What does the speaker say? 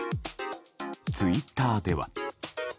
ツイッターでは。